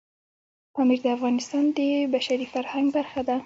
پامیر د افغانستان د بشري فرهنګ برخه ده.